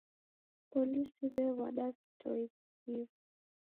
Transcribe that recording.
Polisi w'ew'ada vitoi w'ikiiw'a